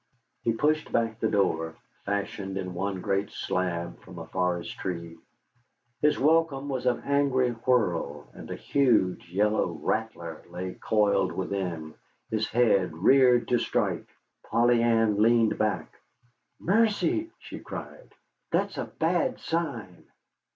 He pushed back the door, fashioned in one great slab from a forest tree. His welcome was an angry whir, and a huge yellow rattler lay coiled within, his head reared to strike. Polly Ann leaned back. "Mercy," she cried, "that's a bad sign."